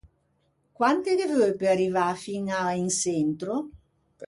Quante ghe veu pe arrivâ fin à in çentro?